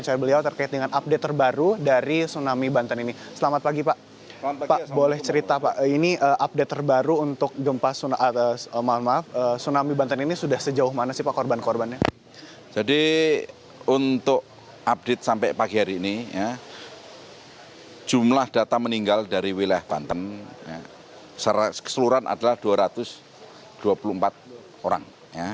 jadi untuk update sampai pagi hari ini jumlah data meninggal dari wilayah banten keseluruhan adalah dua ratus dua puluh empat orang